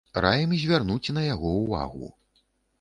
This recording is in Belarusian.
Раім звярнуць на яго ўвагу.